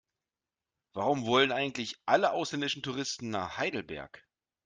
Warum wollen eigentlich alle ausländischen Touristen nach Heidelberg?